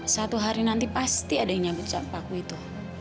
satu hari nanti pasti ada yang nyambut paku itu